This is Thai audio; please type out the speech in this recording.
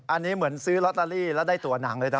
อันนี้เหมือนซื้อลอตเตอรี่แล้วได้ตัวหนังเลยนะ